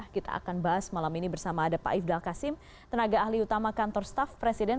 kita akan bahas malam ini bersama ada pak ifdal kasim tenaga ahli utama kantor staff presiden